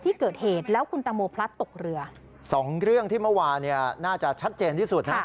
อีกเรื่องที่เมื่อวานี่น่าจะชัดเจนที่สุดน่ะ